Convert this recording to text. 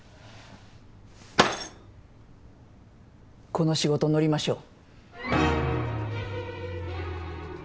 この仕事乗りましょう。